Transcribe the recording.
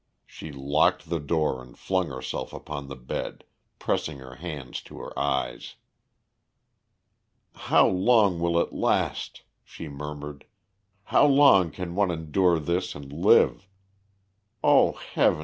She locked the door and flung herself upon the bed, pressing her hands to her eyes. "How long will it last?" she murmured. "How long can one endure this and live? Oh, Heaven!